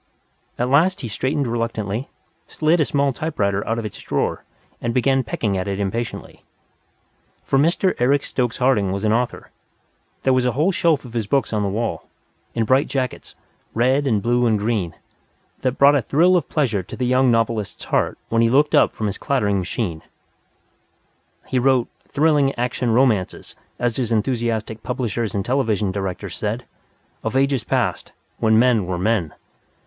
At last he straightened reluctantly, slid a small typewriter out of its drawer, and began pecking at it impatiently. For Mr. Eric Stokes Harding was an author. There was a whole shelf of his books on the wall, in bright jackets, red and blue and green, that brought a thrill of pleasure to the young novelist's heart when he looked up from his clattering machine. He wrote "thrilling action romances," as his enthusiastic publishers and television directors said, "of ages past, when men were men.